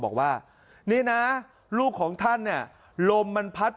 บอกว่านี่นะลูกของท่านลมลมมันพัดประตู